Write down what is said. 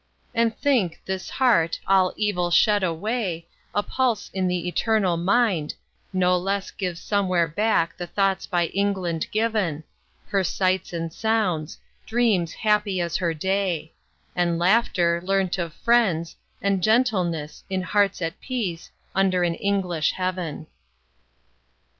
And think, this heart, all evil shed away, A pulse in the eternal mind, no less Gives somewhere back the thoughts by England given; Her sights and sounds; dreams happy as her day; And laughter, learnt of friends; and gentleness, In hearts at peace, under an English heaven.